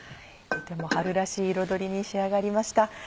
とても春らしい彩りに仕上がりました。